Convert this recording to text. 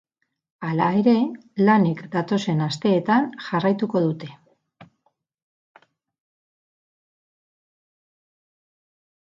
Hala ere, lanek datozen asteetan jarraituko dute.